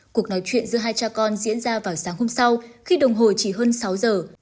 cuộc nói chuyện giữa hai cha con diễn ra vào sáng hôm sau khi đồng hồ chỉ hơn sáu giờ